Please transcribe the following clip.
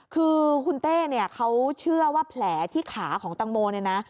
คือคุณเต้เนี่ยเขาเชื่อว่าแผลที่ขาของตังโมเนี่ยนะ